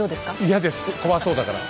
嫌です怖そうだから。